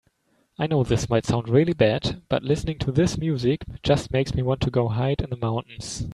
I know this might sound really bad, but listening to this music just makes me want to go hide in the mountains.